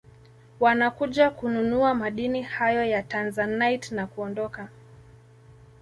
Wanakuja kununua madini hayo ya Tanzanite na kuondoka